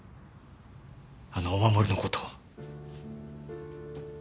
あのお守りの事を。